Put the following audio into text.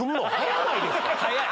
早い！